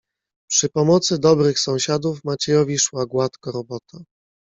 "Przy pomocy dobrych sąsiadów Maciejowi szła gładko robota."